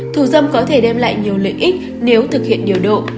thù dâm có thể đem lại nhiều lợi ích nếu thực hiện điều độ